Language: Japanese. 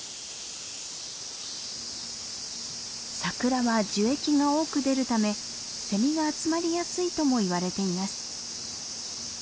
サクラは樹液が多く出るためセミが集まりやすいともいわれています。